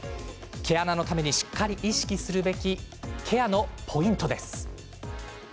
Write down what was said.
毛穴のためにしっかり意識すべきケアのポイントです。